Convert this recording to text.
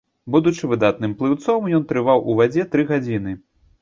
Будучы выдатным плыўцом, ён трываў у вадзе тры гадзіны.